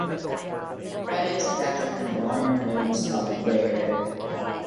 Credits adapted from the liner notes of "Rare".